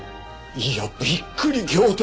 いやびっくり仰天！